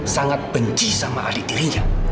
sangat benci sama adik dirinya